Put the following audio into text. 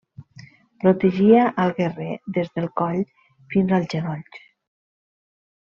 Protegia al guerrer des del coll fins als genolls.